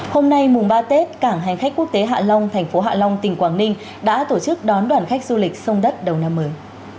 hôm nay mùng ba tết cảng hành khách quốc tế hạ long thành phố hạ long tỉnh quảng ninh đã tổ chức đón đoàn khách du lịch sông đất đầu năm mới